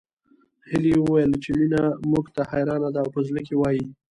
هيلې وويل چې مينه موږ ته حيرانه ده او په زړه کې وايي